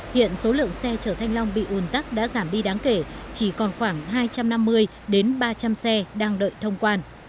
hiện số lượng xe chở thanh long bị ùn tắc đã giảm đi đáng kể chỉ còn khoảng hai trăm năm mươi đến ba trăm linh xe đang đợi thông quan